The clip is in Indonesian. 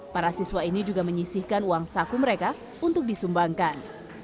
para siswa ini juga menyisihkan uang saku mereka untuk disumbangkan